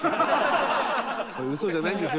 「嘘じゃないんですよ